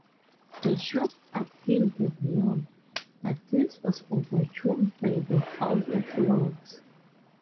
The shop appealed and won, but this was overturned by the House of Lords.